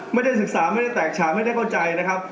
ไม่ได้ศึกษาไม่ได้แตกฉากไม่ได้เข้าใจนะครับ